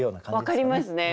分かりますね。